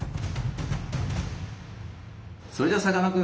それではさかなクン。